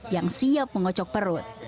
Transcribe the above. yang siap mengocok perut